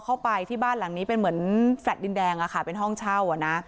เข้าไปที่บ้านหลังนี้เป็นเหมือนแฟลต์ดินแดงอะค่ะเป็นห้องเช่าอ่ะนะ